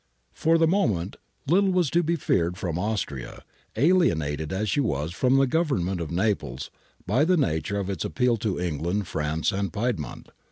For the moment little was to be feared from Austria, alienated as she was from the Government of Naples by the nature of its appeal to England, France, and Piedmont.